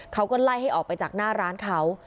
เขาก็ไล่ให้ออกไปจากหน้าร้านเขา